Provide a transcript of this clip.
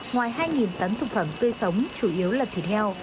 ngoài hai tấn thực phẩm tươi sống chủ yếu là thịt heo